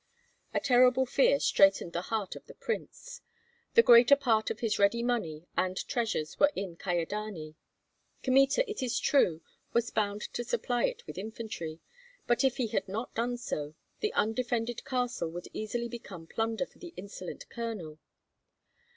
A terrible fear straitened the heart of the prince. The greater part of his ready money and treasures were in Kyedani. Kmita, it is true, was bound to supply it with infantry; but if he had not done so, the undefended castle would easily become plunder for the insolent colonel.